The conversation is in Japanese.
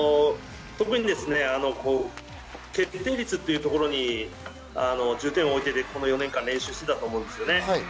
特に決定率というところに重点を置いて４年間、練習していたと思うんですね。